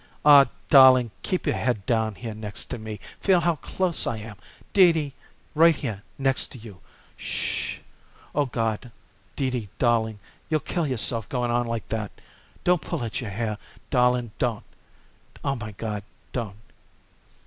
Aw, darling, keep your head down here next to me! Feel how close I am, Dee Dee, right here next to you. 'Shh h h! O God! Dee Dee darling, you'll kill yourself going on like that! Don't pull at your hair, darling don't! Oh, my God, don't!"